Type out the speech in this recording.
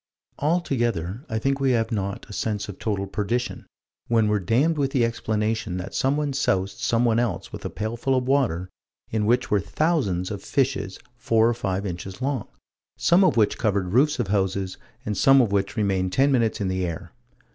Altogether I think we have not a sense of total perdition, when we're damned with the explanation that someone soused someone else with a pailful of water in which were thousands of fishes four or five inches long, some of which covered roofs of houses, and some of which remained ten minutes in the air.